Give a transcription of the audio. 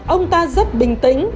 ông ta rất bình tĩnh